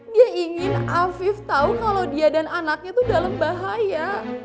dia ingin afif tahu kalau dia dan anaknya itu dalam bahaya